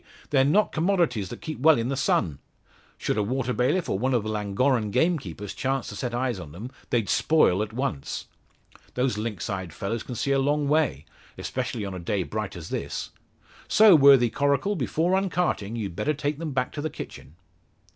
They're not commodities that keep well in the sun. Should a water bailiff, or one of the Llangorren gamekeepers chance to set eyes on them, they'd spoil at once. Those lynx eyed fellows can see a long way, especially on a day bright as this. So, worthy Coracle, before uncarting, you'd better take them back to the kitchen."